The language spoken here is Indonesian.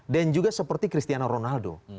dan juga seperti cristiano ronaldo